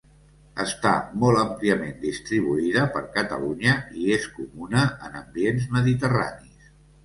Està molt àmpliament distribuïda per Catalunya i és comuna en ambients mediterranis.